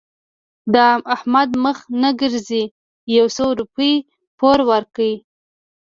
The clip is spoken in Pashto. د احمد مخ نه ګرځي؛ يو څو روپۍ پور ورکړه.